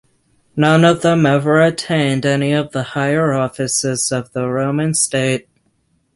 None of them ever attained any of the higher offices of the Roman state.